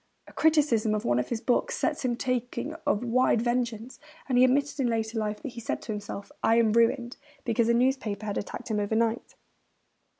A criticism of one of his books sets him talking of wide vengeance; and he admitted in later life that he said to himself, 'I am ruined,' because a newspaper had attacked him overnight.